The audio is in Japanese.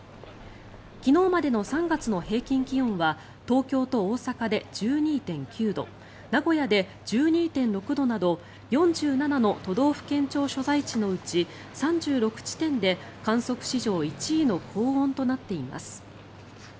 昨日までの３月の平均気温は東京と大阪で１２．９度名古屋で１２．６度など４７の都道府県庁所在地のうち３６地点で観測史上１位の高温となっています。